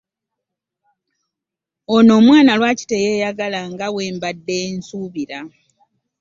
Ono omwana lwaki teyeyagala nga wembadde nsuubira?